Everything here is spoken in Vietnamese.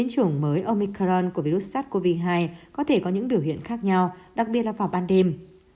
chủng mới omicron của virus sars cov hai có thể có những biểu hiện khác nhau đặc biệt là vào ban đêm